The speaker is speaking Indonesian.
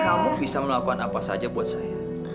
kamu bisa melakukan apa saja buat saya